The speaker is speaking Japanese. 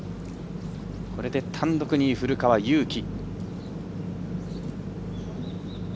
これで単独２位、古川雄大。